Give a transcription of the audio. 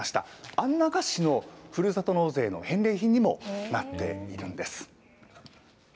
安中市のふるさと納税の返礼品にもなっているんです。